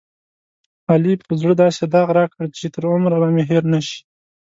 علي په زړه داسې داغ راکړ، چې تر عمره به مې هېر نشي.